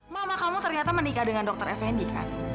mama kamu ternyata menikah dengan dokter effendi kan